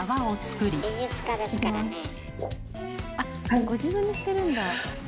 あっご自分でしてるんだ。